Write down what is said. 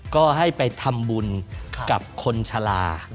ก็ให้ไปทำบุญกับคนชะลา